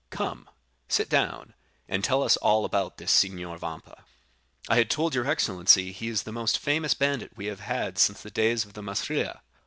Come, sit down, and tell us all about this Signor Vampa." "I had told your excellency he is the most famous bandit we have had since the days of Mastrilla."